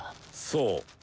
そう！